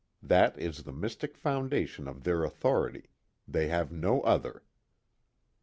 That is the mystic foundation of their authority: they have no other.